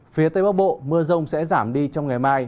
phía tây bắc bộ mưa rông sẽ giảm đi trong ngày mai